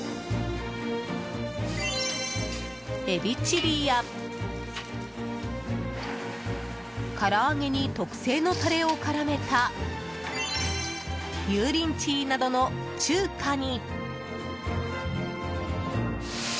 エビチリや、から揚げに特製のタレを絡めた油淋鶏などの中華に。